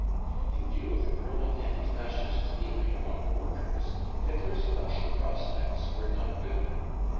1 In view of the growing anti Fascist feeling among the workers Hitler's election prospects were not good.